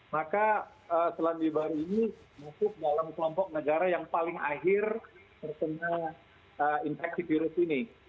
maka selandia baru ini masuk dalam kelompok negara yang paling akhir terkena infeksi virus ini